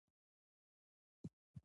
ویښتې خلاص پریښودل خرابوي.